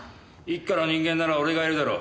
一課の人間なら俺がいるだろ。